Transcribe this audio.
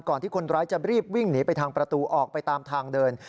ที่คนร้ายจะรีบวิ่งหนีไปทางประตูออกไปตามทางเดิน